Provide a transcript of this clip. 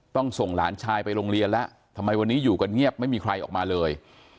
ต้องส่งหลานชายไปโรงเรียนแล้วทำไมวันนี้อยู่กันเงียบไม่มีใครออกมาเลย